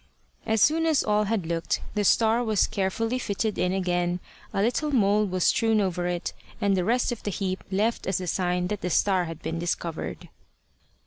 As soon as all had looked, the star was carefully fitted in again, a little mould was strewn over it, and the rest of the heap left as a sign that the star had been discovered.